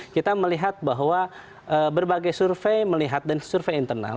kita melihat bahwa berbagai survei melihat dan survei internal